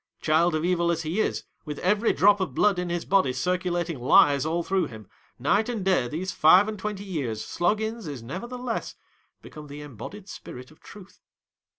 Child of evil as he is, with every drop of blood in his body circulating lies all through him, night and day these five ami twenty years, Slog ins is nevertheless be come the embodied spirit of Truth.